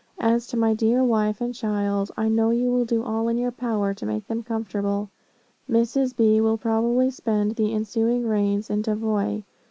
As to my dear wife and child, I know you will do all in your power to make them comfortable. Mrs. B. will probably spend the ensuing rains in Tavoy.